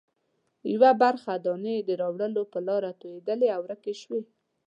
یوه برخه دانې د راوړلو په لاره توېدلې او ورکې شوې.